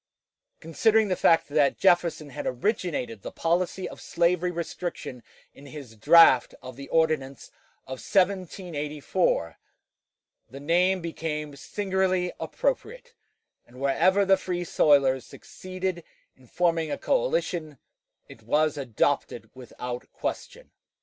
Considering the fact that Jefferson had originated the policy of slavery restriction in his draft of the ordinance of 1784, the name became singularly appropriate, and wherever the Free soilers succeeded in forming a coalition it was adopted without question.